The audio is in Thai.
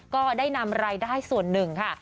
ก็ได้นำรายได้ส่วนหนึ่งค่ะ